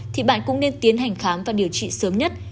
thì bạn cũng nên tiến hành khám và điều trị sớm nhất